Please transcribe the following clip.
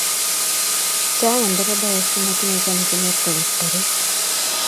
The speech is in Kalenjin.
Chng nderevaek che matinye chamchinet koket karit